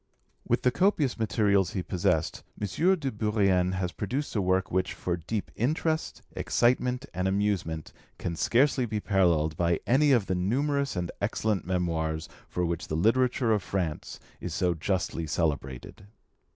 With the copious materials he possessed, M. de Bourrienne has produced a work which, for deep interest, excitement, and amusement, can scarcely be paralleled by any of the numerous and excellent memoirs for which the literature of France is so justly celebrated.